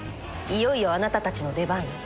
いよいよあなたたちの出番よ。